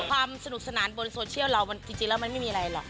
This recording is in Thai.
ความสนุกสนานบนโซเชียลเราจริงแล้วมันไม่มีอะไรหรอก